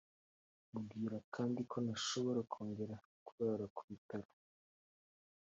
Mubwira kandi ko ntashobora kongera kurara ku bitaro